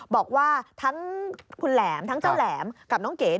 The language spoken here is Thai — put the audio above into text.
บอกว่าทั้งคุณแหลมทั้งเจ้าแหลมกับน้องเก๋